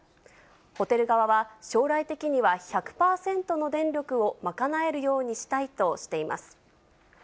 ホテル側は、将来的には１００％の電力を賄えるようにしたいとしています。